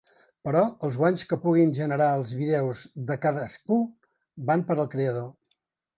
Però els guanys que puguin generar els vídeos de cadascú van per al creador.